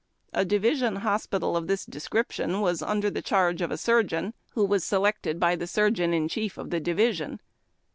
A division hospital of this description was under the charge of a surgeon, who was selected by the surgeon in chief of tlie division.